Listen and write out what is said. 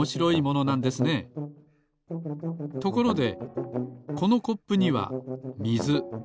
ところでこのコップにはみず。